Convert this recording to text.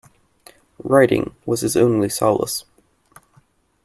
Writing was his only solace